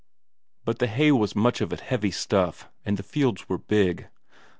But the hay was much of it heavy stuff, and the fields were big.